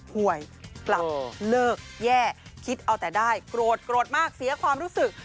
ป่วยกลับเลิกแย่คิดเอาแต่ได้โกรธโกรธมากเสียความรู้สึก